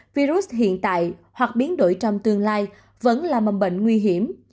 virus hiện tại hoặc biến đổi trong tương lai vẫn là mầm bệnh nguy hiểm